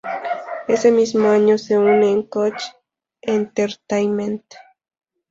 Ese mismo año se une a Koch Entertainment.